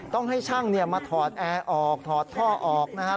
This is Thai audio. ต้องให้ช่างมาถอดแอร์ออกถอดท่อออกนะครับ